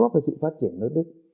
phải học được